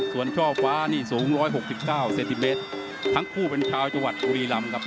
ส่วนช่อฟ้านี่สูงร้อยหกสิบเก้าเซตติเมตรทั้งผู้เป็นชาวจัวร์ตผูรีลำครับ